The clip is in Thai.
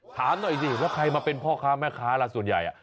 ถามหน่อยสิแล้วใครมาเป็นพ่อค้าแม่ค้าล่ะส่วนใหญ่